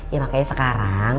ya makanya sekarang